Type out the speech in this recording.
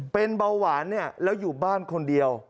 เป็นเบาหวานเนี่ยแล้วอยู่บ้านคนเดียว